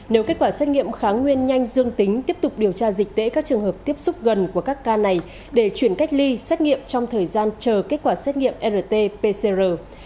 nếu kết quả xét nghiệm kháng nguyên nhanh dương tính tiếp tục điều tra dịch tễ các trường hợp tiếp xúc gần của các ca này để chuyển cách ly xét nghiệm trong thời gian chờ kết quả xét nghiệm rt pcr